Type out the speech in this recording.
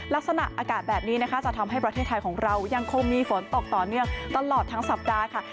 ลักษณะอากาศแบบนี้นะคะจะทำให้ประเทศไทยของเรายังคงมีฝนตกต่อเนื่องตลอดทั้งสัปดาห์ค่ะ